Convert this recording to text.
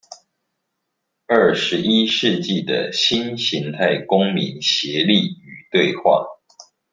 二十一世紀的新型態公民協力與對話